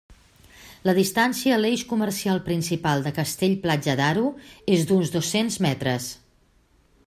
La distància a l'eix comercial principal de Castell-Platja d'Aro és d'uns dos-cents metres.